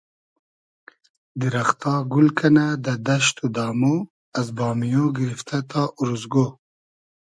دیرئختا گول کئنۂ دۂ دئشت و دامۉ از بامیۉ گیریفتۂ تا اوروزگۉ